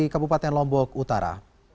kabupaten lombok utara